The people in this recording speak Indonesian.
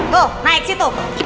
tuh naik situ